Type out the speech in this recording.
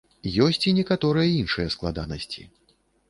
Ёсць і некаторыя іншыя складанасці.